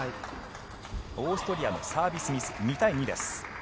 オーストリアのサービスミス、２対２です。